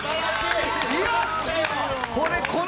よし！